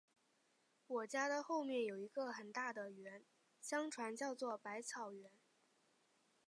我家的后面有一个很大的园，相传叫作百草园